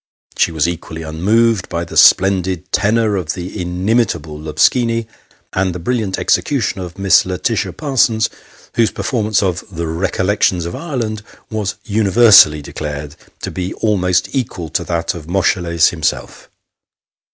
She was equally unmoved by the splendid tenor of the inimitable LobsHni, and the brilliant execution of Miss Laetitia Parsons, whose performance of " The Recollections of Ireland " was universally declared to be almost equal to that of Moscheles himself.